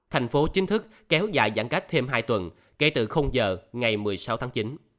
thành phố chính thức kéo dài giãn cách thêm hai tuần kể từ giờ ngày một mươi sáu tháng chín